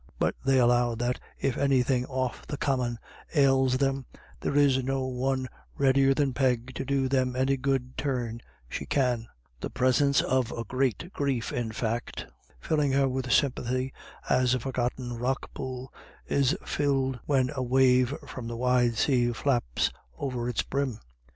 But they allow that if anything off the common ails them, there is no one readier than Peg to do them any good turn she can ; the presence of a great grief, in fact, filling her with sympathy, as a forgotten rock pool is filled when a wave from the wide sea flaps over its brim.